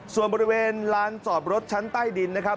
ส่วนบริเวณลานจอดรถชั้นใต้ดินนะครับ